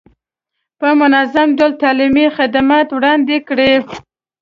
په منظم ډول تعلیمي خدمات وړاندې کړي.